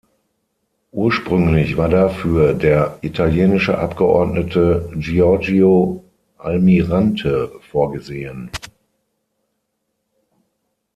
Ursprünglich war dafür der italienische Abgeordnete Giorgio Almirante vorgesehen.